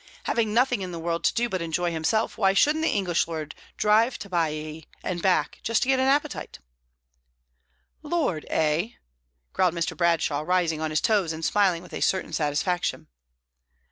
Having nothing in the world to do but enjoy himself, why shouldn't the English lord drive to Baiae and back, just to get an appetite?" "Lord, eh?" growled Mr. Bradshaw, rising on his toes, and smiling with a certain satisfaction.